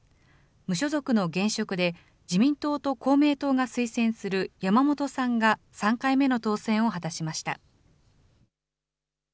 無所属の現職で自民党と公明党が推薦する山本さんが３回目の当選を果たしました。